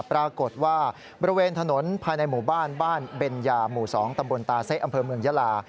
ปรากฏว่าบริเวณถนนภายในหมู่บ้านบ้านเบนยาหมู่๒ตำบลตาเซะอำเภอเมืองยาลา